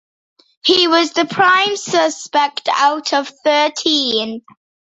He was the prime suspect out of thirteen.